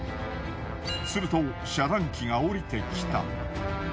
すると遮断機が下りてきた。